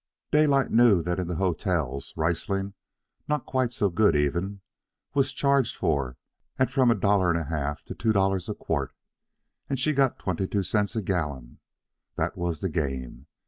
Daylight knew that in the hotels, Riesling, not quite so good even, was charged for at from a dollar and a half to two dollars a quart. And she got twenty two cents a gallon. That was the game.